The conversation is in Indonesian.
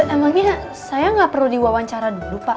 emangnya saya nggak perlu diwawancara dulu pak